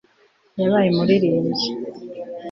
yabaye umuririmbyi